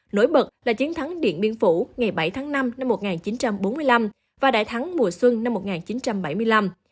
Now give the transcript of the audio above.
nổi bật là chiến thắng điện biên phủ ngày bảy tháng năm năm một nghìn chín trăm bốn mươi năm và đại thắng mùa xuân năm một nghìn chín trăm bảy mươi năm